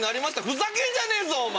ふざけんじゃねえぞ！